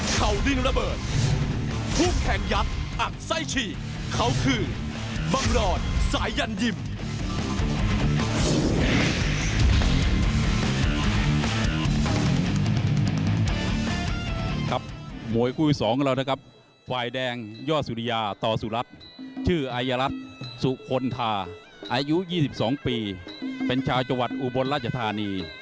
ครับมวยคู่ที่๒กับเรานะครับวายแดงยอดสุริยาตอสุรัสตร์ชื่ออายรัฐสุคลทาอายุ๒๒ปีเป็นชาวจัวร์อุบลราชธานี